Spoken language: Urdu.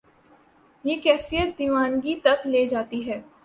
یہ کیفیت دیوانگی تک لے جاتی ہے۔